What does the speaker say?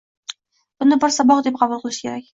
Buni bir saboq deb qabul qilish kerak.